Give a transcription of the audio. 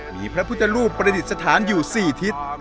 มีพระพุทธรูปประดิษฐานอยู่๔ทิศ